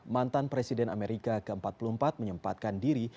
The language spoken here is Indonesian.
mantan presiden amerika ke empat puluh empat menyempatkan diri